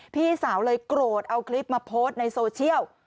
พี่สาวเลยโกรธเอาคลิปมาโพสต์ในโซเชียล